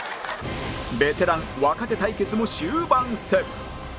ベテラン若手対決も終盤戦